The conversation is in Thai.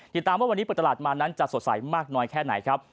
ติดตามว่าวันนี้เปิดตลาดมานั้นจะสดใสมากน้อยแค่ไหนครับ